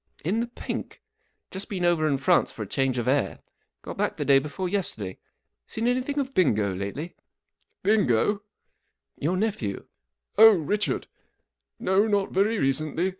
M In the pink, just been over in France for a change of air. Gut back the day before yesterday. Seen anything of Bingo lately ? (i Bingo ? >J * 4 Your nephew." " Oh, Richard ? No, not very recently.